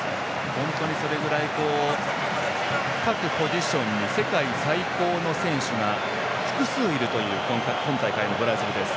本当にそれぐらい各ポジションに世界最強の選手が複数いるというブラジル。